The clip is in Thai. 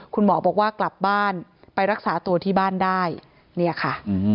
คุณหมอบอกว่ากลับบ้านไปรักษาตัวที่บ้านได้เนี่ยค่ะ